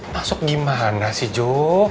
masuk gimana sih jo